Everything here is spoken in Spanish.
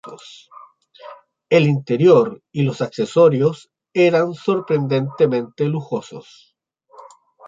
El interior y los accesorios eran sorprendentemente lujosos.